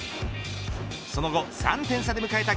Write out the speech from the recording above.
その後、３点差で迎えた